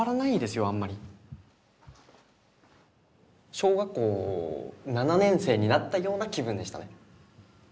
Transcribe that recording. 小学校７年生になったような気分でしたね。